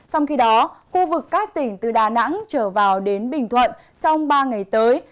trong khi đó khu vực các tỉnh từ đà nẵng trở vào đến bình thuận trong ba ngày tới